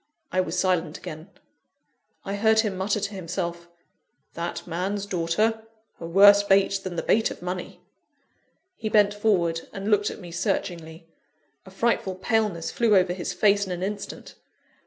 I was silent again. I heard him mutter to himself: "That man's daughter! a worse bait than the bait of money!" He bent forward, and looked at me searchingly. A frightful paleness flew over his face in an instant.